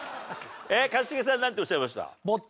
一茂さんなんておっしゃいました？